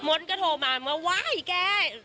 มดก็โทรมาบอกว่าว้ายแก